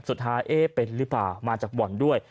สุดท้ายเอ๊ะเป็นหรือเปล่ามาจับบ่อนด้วย